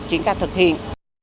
chính cao thực hiện